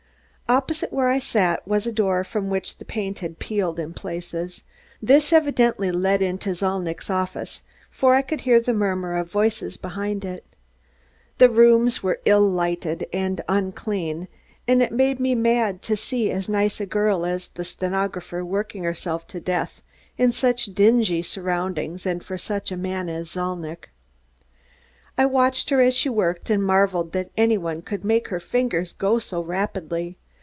Opposite where I sat was a door from which the paint had peeled in places. This evidently led into Zalnitch's office, for I could hear the murmur of voices behind it. The rooms were ill lighted and unclean, and it made me mad to see as nice a girl as the stenographer working herself to death in such dingy surroundings and for such a man as Zalnitch. I watched her as she worked and marveled that any one could make her fingers go so rapidly.